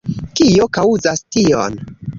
Kio kaŭzas tion?